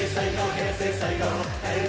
平成最高！」